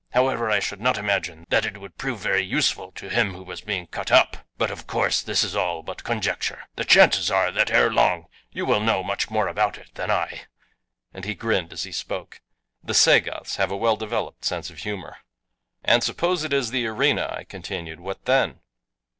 However I should not imagine that it would prove very useful to him who was being cut up; but of course this is all but conjecture. The chances are that ere long you will know much more about it than I," and he grinned as he spoke. The Sagoths have a well developed sense of humor. "And suppose it is the arena," I continued; "what then?"